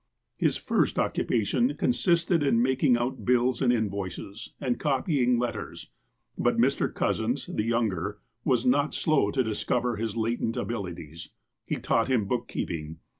His first occupation consisted in making out bills and invoices, and copying letters, but Mr. Cousins, the younger, was not slow to discover his latent abilities. He taught him bookkeeping.